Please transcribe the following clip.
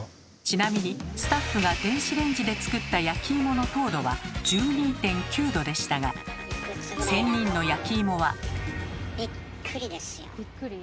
ちなみにスタッフが電子レンジで作った焼き芋の糖度は１２．９度でしたがびっくりですよ。